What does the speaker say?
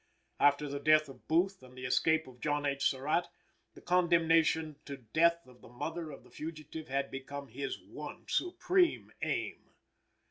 After the death of Booth and the escape of John H. Surratt, the condemnation to death of the mother of the fugitive had become his one supreme aim.